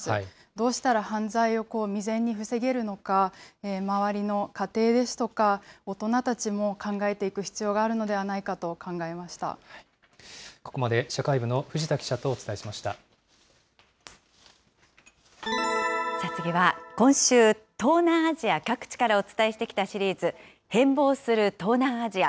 どうしたら犯罪を未然に防げるのか、周りの家庭ですとか、大人たちも考えていく必要があるのではここまで社会部の藤田記者と次は、今週、東南アジア各地からお伝えしてきたシリーズ、変貌する東南アジア。